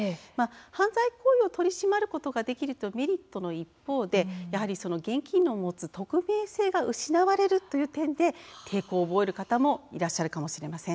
犯罪行為を取り締まることができるというメリットの一方でやはり現金の持つ匿名性が失われるという点で抵抗を覚える方もいらっしゃるかもしれません。